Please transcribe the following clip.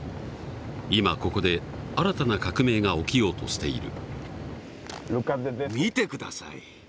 今ここで新たな革命が起きようとしている。